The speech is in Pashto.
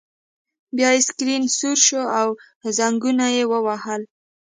بیا یې سکرین سور شو او زنګونه یې ووهل